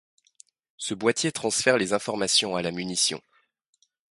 Ce boitier transfère les informations à la munition.